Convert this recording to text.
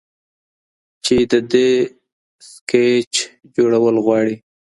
چې د دې سکېچ جوړول غواړي -